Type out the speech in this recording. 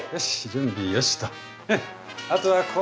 あとは氷！